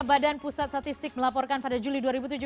badan pusat statistik melaporkan pada juli dua ribu tujuh belas